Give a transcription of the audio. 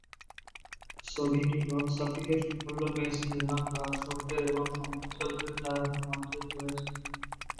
ছবিটি বক্স অফিসে সাফল্য পেয়েছিল এবং দর্শকদের এবং সমালোচকদের দ্বারা সমাদৃত হয়েছিল।